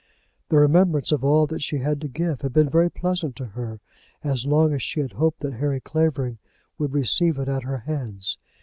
The remembrance of all that she had to give had been very pleasant to her, as long as she had hoped that Harry Clavering would receive it at her hands.